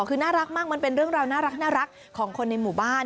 คือน่ารักมากมันเป็นเรื่องราวน่ารักของคนในหมู่บ้าน